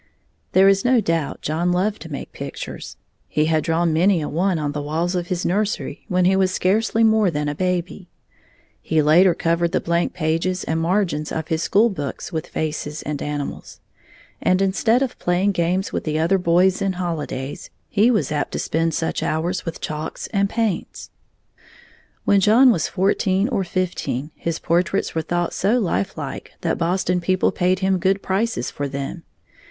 There is no doubt John loved to make pictures. He had drawn many a one on the walls of his nursery when he was scarcely more than a baby. He later covered the blank pages and margins of his school books with faces and animals. And instead of playing games with the other boys in holidays, he was apt to spend such hours with chalks and paints. When John was fourteen or fifteen, his portraits were thought so lifelike that Boston people paid him good prices for them.